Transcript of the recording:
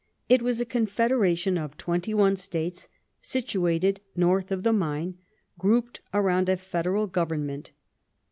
It was a Con federation of twenty one States situated north of the Main, grouped around a Federal Government.